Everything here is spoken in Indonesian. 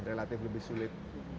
relatif lebih sulit